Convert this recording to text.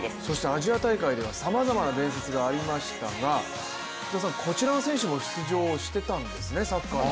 アジア大会ではさまざまな伝説がありましたが、こちらの選手も出場してたんですね、サッカーで。